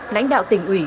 lãnh đạo tỉnh ủy